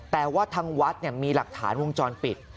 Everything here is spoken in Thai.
แต่ว่าทางวัดมีหลักฐานวงจรปิด